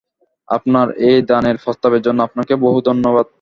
আপনার এই দানের প্রস্তাবের জন্য আপনাকে বহু ধন্যবাদ।